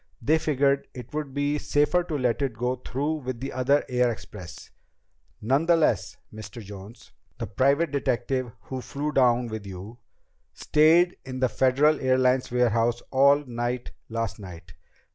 They figured it would be safer to let it go through with the other air express. Nonetheless, Mr. Jones the private detective who flew down with you stayed in the Federal Airlines warehouse all night last night.